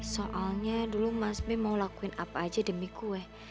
soalnya dulu mas mi mau lakuin apa aja demi kue